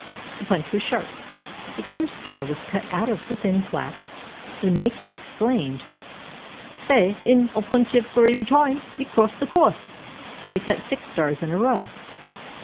The punch was sharp; a clear star was cut out of the thin flap, when Mickey exclaimed: "Faix, an' Oi'll punch for ivery toime ye cross the coorse." So he cut six stars in a row.